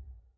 aku gak bisa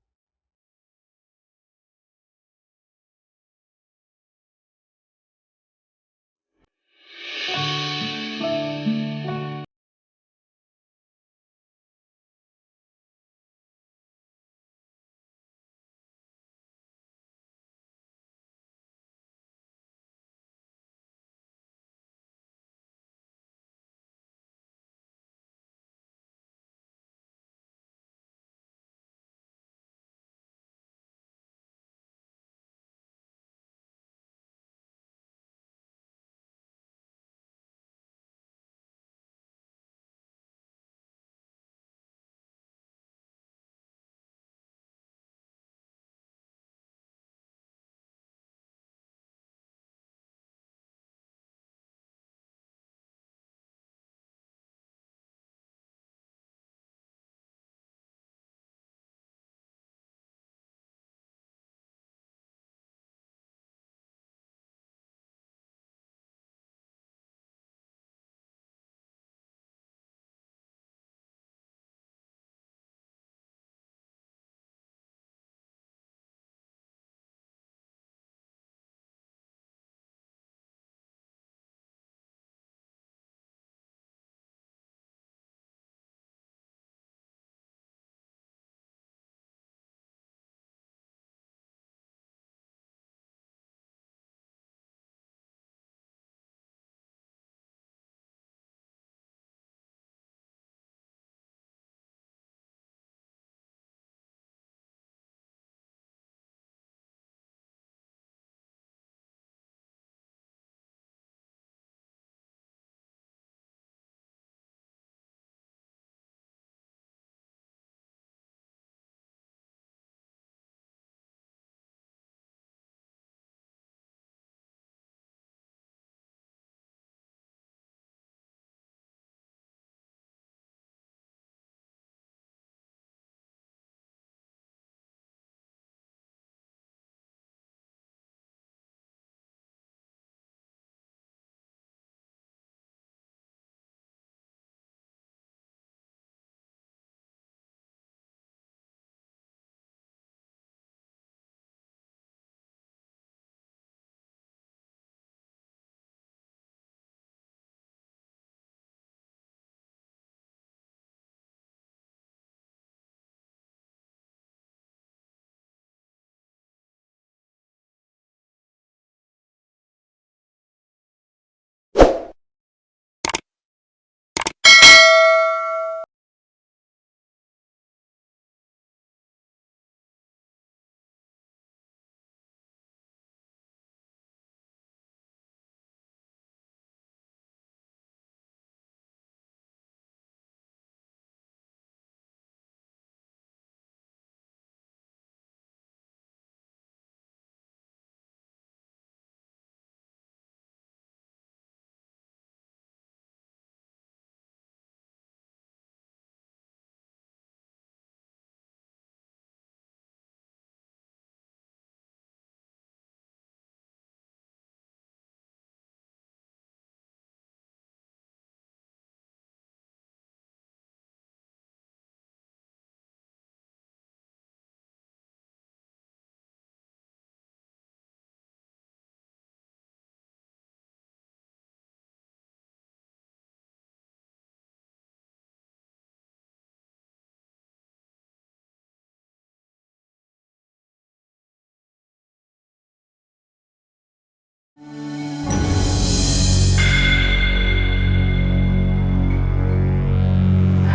ketemu mama lagi